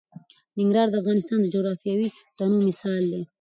ننګرهار د افغانستان د جغرافیوي تنوع مثال دی.